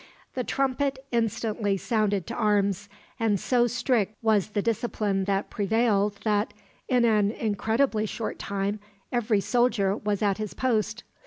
The trumpet instantly sounded to arms, and so strict was the discipline that prevailed that, in an incredibly short time, every soldier was at his post.